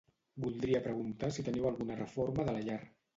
Voldria preguntar si teniu alguna reforma de la llar.